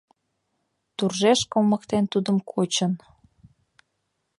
Туржеш кылмыктен тудым кочын